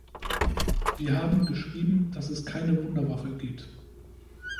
Wir haben geschrieben, dass es keine Wunderwaffe gibt.